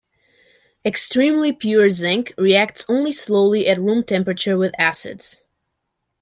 Extremely pure zinc reacts only slowly at room temperature with acids.